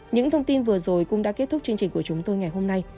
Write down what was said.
những thông tin vừa rồi cũng đã kết thúc chương trình của chúng tôi ngày hôm nay